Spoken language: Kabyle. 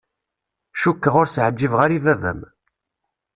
Cukkeɣ ur s-ɛǧibeɣ ara i baba-m.